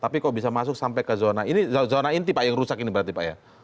tapi kok bisa masuk sampai ke zona ini zona inti pak yang rusak ini berarti pak ya